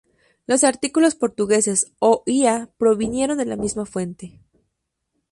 Los artículos portugueses "o" y "a", provinieron de la misma fuente.